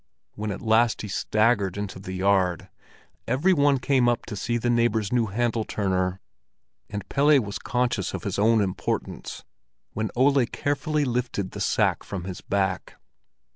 When at last he staggered into the yard, every one came up to see the neighbor's new handle turner; and Pelle was conscious of his own importance when Ole carefully lifted the sack from his back.